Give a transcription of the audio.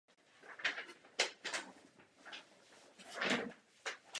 Na střední škole byl programovým vedoucím školní veřejné rozhlasové stanice.